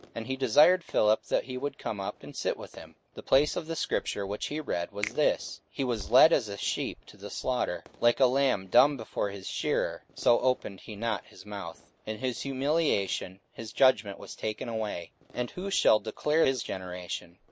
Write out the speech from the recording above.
And he desired Philip that he would come up and sit with him. 44:008:032 The place of the scripture which he read was this, He was led as a sheep to the slaughter; and like a lamb dumb before his shearer, so opened he not his mouth: 44:008:033 In his humiliation his judgment was taken away: and who shall declare his generation?